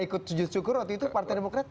ikut sujud syukur waktu itu partai demokrat